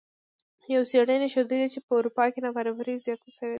یوې څیړنې ښودلې چې په اروپا کې نابرابري زیاته شوې